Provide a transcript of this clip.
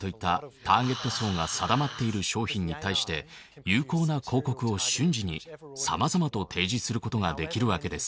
ターゲット層が定まっている商品に対して有効な広告を瞬時にさまざまと提示することができるわけです。